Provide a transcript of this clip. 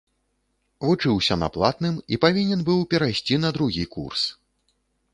Вучыўся на платным і павінен быў перайсці на другі курс.